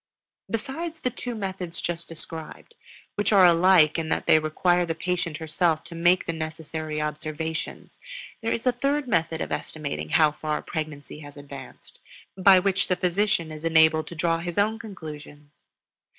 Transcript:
Besides the two methods just described, which are alike in that they require the patient herself to make the necessary observations, there is a third method of estimating how far pregnancy has advanced, by which the physician is enabled to draw his own conclusions.